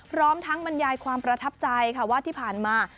พร้อมทั้งบรรยายความประทับใจค่ะว่าที่ผ่านมา